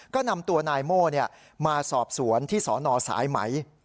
ก็นำตัวนายโม่มาสอบสวนที่สนสายไหม